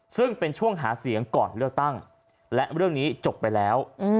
ซึ่งเป็นช่วงหาเสียงก่อนเลือกตั้งและเรื่องนี้จบไปแล้ว